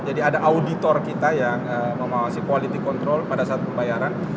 jadi ada auditor kita yang mengawasi quality control pada saat pembayaran